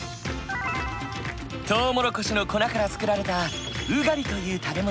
トウモロコシの粉から作られたウガリという食べ物。